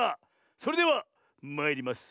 それではまいります。